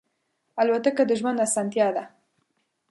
الوتکه د ژوند آسانتیا ده.